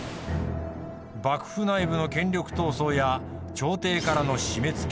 幕府内部の権力闘争や朝廷からの締めつけ。